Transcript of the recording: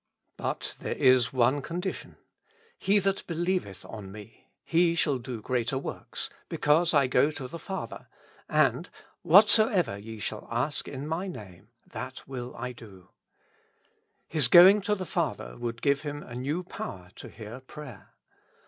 But there is one condition :" He that believeth on me, he • shall do greater works, because I go to the Father ; and whatsoever ye shall ask in my Name, 152 With Christ in the School of Prayer. that will I do.'' His going to the Father would give Him a new power to hear prayer.